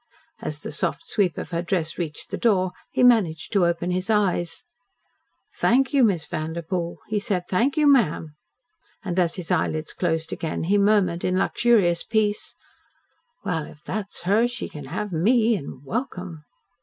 As the soft sweep of her dress reached the door he managed to open his eyes. "Thank you, Miss Vanderpoel," he said. "Thank you, ma'am." And as his eyelids closed again he murmured in luxurious peace: "Well, if that's her she can have ME and welcome!"